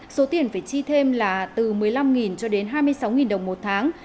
số tiền phải chi thêm là từ một mươi năm cho đến hai mươi sáu đồng một tháng